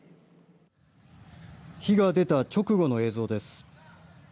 火が出た直後の映像です。